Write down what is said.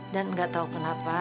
dan nggak tahu kenapa